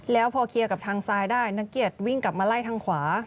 แล้วพอเคลียร์กับทางซ้ายได้นักเกียจวิ่งกลับมาไล่ทางขวา